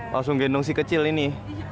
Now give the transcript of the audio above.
langsung gendong si kecil ini